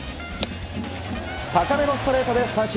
高めのストレートで三振。